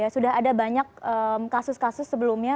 sudah ada banyak kasus kasus sebelumnya